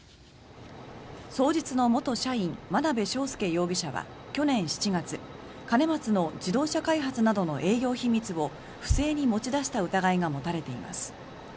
双日の元社員眞鍋昌奨容疑者は去年７月兼松の自動車開発などの営業秘密を不正に持ち出した疑いが持たれています。